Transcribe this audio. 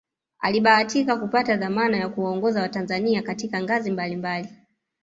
Alibahatika kupata dhamana ya kuwaongoza watanzania katika ngazi mbali mbali